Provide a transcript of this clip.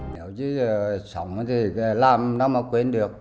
nếu chứ sống thì làm nó mà quên được